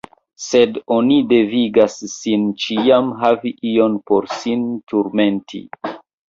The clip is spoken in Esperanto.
Sed oni devigas sin ĉiam havi ion por sin turmenti!